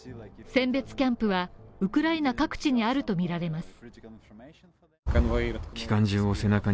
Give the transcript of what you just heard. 選別キャンプはウクライナ各地にあるとみられます。